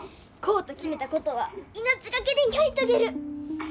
こうと決めたことは命懸けでやり遂げる。